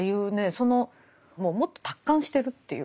そのもっと達観してるというか。